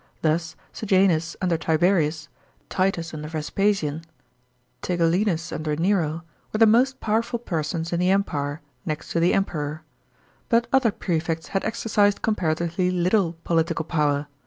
Thus Sejanus under Tiberius, Titus under Vespasian, Tigellinus under Nero, were the most powerful persons in the Empire, next to the Emperor. But other prefects had exercised comparatively little political power.